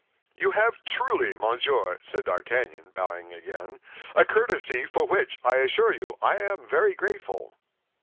"You have truly, monsieur," said D'Artagnan, bowing again, "a courtesy, for which, I assure you, I am very grateful."